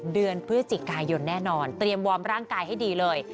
เดือนพฤศจิกายนแน่นอนเตรียมวอร์มร่างกายให้ดีเลย